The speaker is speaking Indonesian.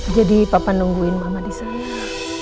jadi papa nungguin mama disana